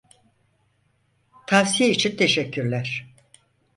Tavsiye için teşekkürler.